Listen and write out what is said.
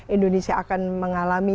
indonesia akan mengalami